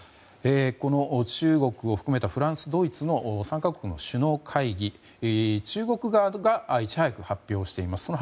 この中国を含めたフランス、ドイツ３か国の首脳会議、中国側がいち早く発表しています。